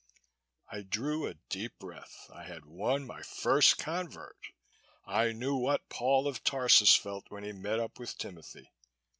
I drew a deep breath. I had won my first convert. I knew what Paul of Tarsus felt when he met up with Timothy.